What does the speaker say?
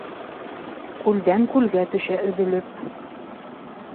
Күлдән-күлгә төшә өҙөлөп.